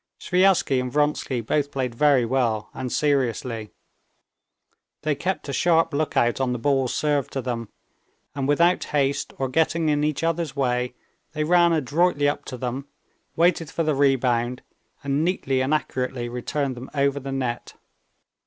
Sviazhsky and Vronsky both played very well and seriously. They kept a sharp lookout on the balls served to them, and without haste or getting in each other's way, they ran adroitly up to them, waited for the rebound, and neatly and accurately returned them over the net.